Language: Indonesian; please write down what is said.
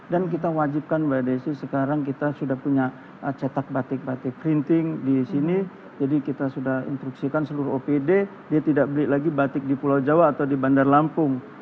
dan kita wajibkan mbak desi sekarang kita sudah punya cetak batik batik printing di sini jadi kita sudah instruksikan seluruh opd dia tidak beli lagi batik di pulau jawa atau di bandar lampung